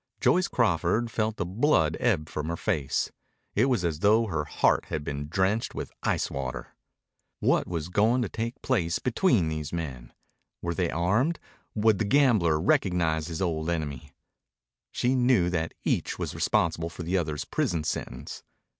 Joyce Crawford felt the blood ebb from her face. It was as though her heart had been drenched with ice water. What was going to take place between these men? Were they armed? Would the gambler recognize his old enemy? She knew that each was responsible for the other's prison sentence.